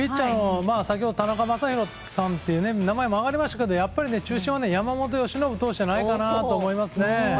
先ほど田中将大さんという名前も挙がりましたが中心は山本由伸投手じゃないかと思いますね。